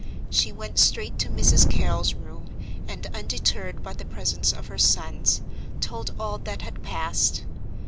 She went straight to Mrs. Carrol's room, and, undeterred by the presence of her sons, told all that had passed.